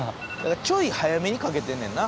ちょい早めにかけてんねんな。